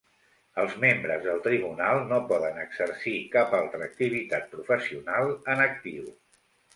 Els membres del tribunal no poden exercir cap altra activitat professional en actiu.